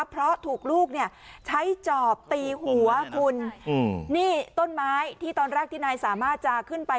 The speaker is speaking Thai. เพราะถูกลูกเนี่ยใช้จอบตีหัวคุณนี่ต้นไม้ที่ตอนแรกที่นายสามารถจะขึ้นไป